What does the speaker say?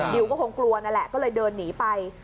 ก็คงกลัวนั่นแหละก็เลยเดินหนีไป